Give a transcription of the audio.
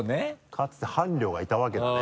かつて伴侶がいたわけだね。